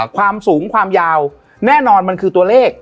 ความสูงความยาวแน่นอนมันคือตัวเลข